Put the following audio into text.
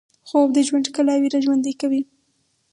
خوب د ژوند ښکلاوې راژوندۍ کوي